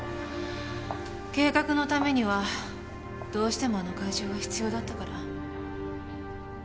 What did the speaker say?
計画のためにはどうしてもあの会場が必要だったから。